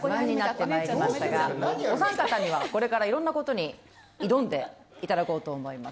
お三方にはこれからいろんなことに挑んでいただこうと思います。